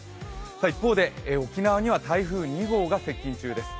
一方で、沖縄には台風２号が接近中です。